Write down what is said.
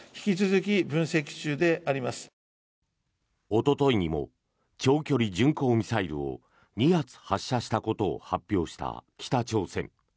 おとといにも長距離巡航ミサイルを２発発射したことを発表した北朝鮮。